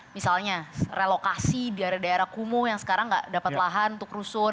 misalnya relokasi di daerah daerah kumuh yang sekarang nggak dapat lahan untuk rusun